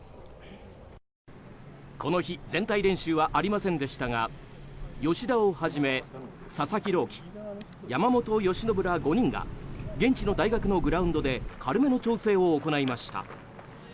この日、全体練習はありませんでしたが吉田をはじめ佐々木朗希、山本由伸ら５人が現地の大学のグラウンドで軽めの調整を行いました。